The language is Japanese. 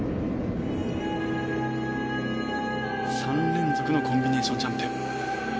３連続のコンビネーションジャンプ。